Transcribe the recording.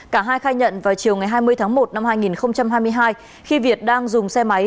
cả hai khai nhận vào chiều ngày hai mươi tháng một năm hai nghìn hai mươi hai khi việt đang dùng xe máy